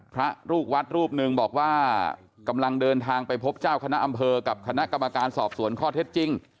พระลูกวัดรูปหนึ่งบอกว่ากำลังเดินทางไปพบเจ้าคณะอำเภอกับคณะกรรมการสอบสวนข้อเท็จจริง